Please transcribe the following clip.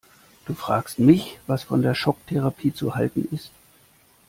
Du fragst mich, was von der Schocktherapie zu halten ist?